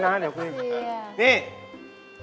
ราคาไม่แพง